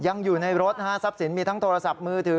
อยู่ในรถนะฮะทรัพย์สินมีทั้งโทรศัพท์มือถือ